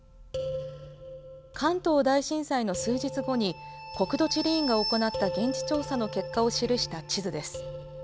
関東大震災の数日後に国土地理院が行った現地調査の結果を記した地図です。